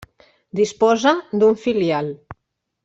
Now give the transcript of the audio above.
Disposa d'un filial.